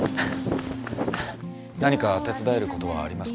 何か手伝えることはありますか？